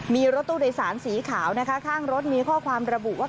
มีรถตู้โดยสารสีขาวนะคะข้างรถมีข้อความระบุว่า